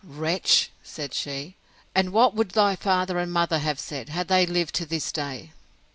Wretch! said she; and what would thy father and mother have said, had they lived to this day?